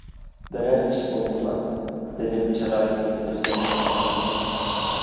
بىرەر ئىش بولدىما؟ -دېدىم چىرايىمنى ئۆزگەرتمەي تۇرۇپ.